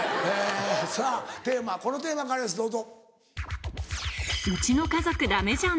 さぁテーマはこのテーマからですどうぞ。